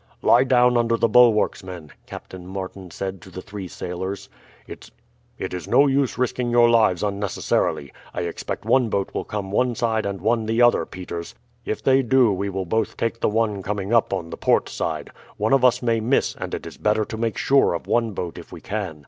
"Lie down under the bulwarks, men," Captain Martin said to the three sailors. "It is no use risking your lives unnecessarily. I expect one boat will come one side and one the other, Peters. If they do we will both take the one coming up on the port side. One of us may miss, and it is better to make sure of one boat if we can.